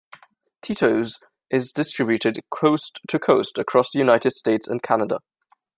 Tito's is distributed coast-to-coast across the United States and Canada.